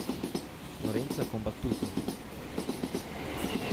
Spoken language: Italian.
Lorenzo è combattuto.